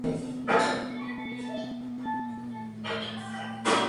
El Islam prohíbe expresamente el asesinato de los no combatientes.